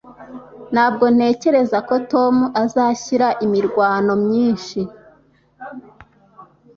Ntabwo ntekereza ko Tom azashyira imirwano myinshi.